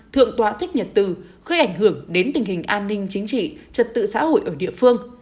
thượng tọa thích nhật từ gây ảnh hưởng đến tình hình an ninh chính trị trật tự xã hội ở địa phương